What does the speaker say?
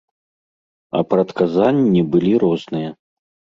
А прадказанні былі розныя.